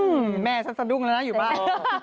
อืมแม่ฉันสะดุ้งแล้วนะอยู่บ้าน